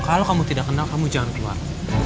kalau kamu tidak kenal kamu jangan keluar